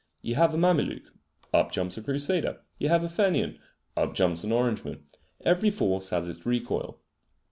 You have a Mameluke: up jumps a Crusader. You have a Fenian: up jumps an Orangeman. Every force has its recoil.